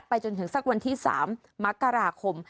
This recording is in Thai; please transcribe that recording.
จนถึงสักวันที่๓มกราคม